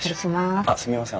あっすみません